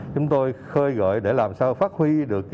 chúng tôi khơi gợi để làm sao phát huy được